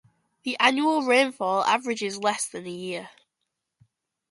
The annual rainfall averages less than a year.